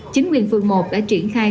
chính quyền phường một đã triển khai